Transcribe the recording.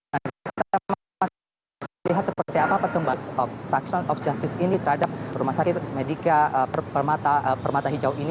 nah kita masih masih lihat seperti apa pertembasan of justice ini terhadap rumah sakit medika permata hijau ini